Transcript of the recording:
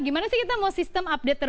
gimana sih kita mau sistem update